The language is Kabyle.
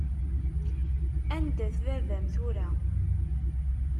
Anda-t baba-m tura?